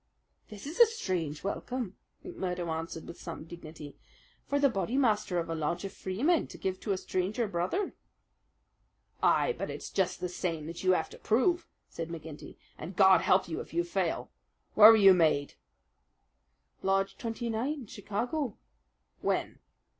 "This is a strange welcome," McMurdo answered with some dignity, "for the Bodymaster of a lodge of Freemen to give to a stranger brother." "Ay, but it's just that same that you have to prove," said McGinty, "and God help you if you fail! Where were you made?" "Lodge 29, Chicago."